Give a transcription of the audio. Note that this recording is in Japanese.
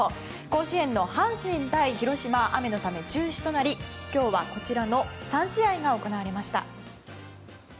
甲子園の阪神対広島は雨のため中止となり今日はこちらの３試合が行われました。